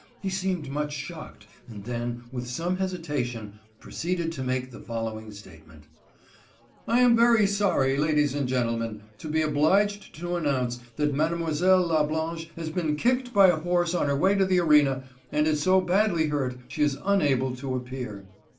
He seemed much shocked, and then, with some hesitation, proceeded to make the following statement: "I am very sorry, ladies and gentlemen, to be obliged to announce that Mademoiselle La Blanche has been kicked by a horse on her way to the arena, and is so badly hurt that she is unable to appear."